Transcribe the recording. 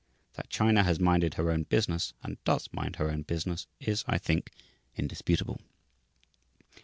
That China has minded her own business and does mind her own business is, I think, indisputable.